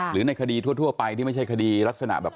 ในคดีทั่วไปที่ไม่ใช่คดีลักษณะแบบ